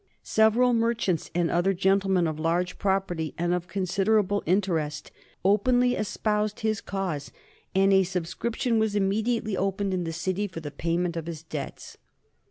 Several merchants and other gentlemen of large property and of considerable interest openly espoused his cause, and a subscription was immediately opened in the City for the payment of his debts.